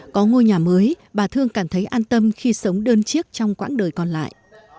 có ngôi nhà mới bà thương cảm thấy an tâm khi sống đơn chiếc trong quãng đời còn lại